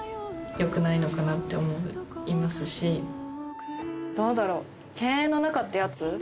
しててめっちゃのかなって思いますしどうだろう犬猿の仲ってやつ？